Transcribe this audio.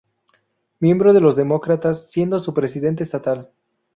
Miembro de los Demócratas, siendo su presidente estatal.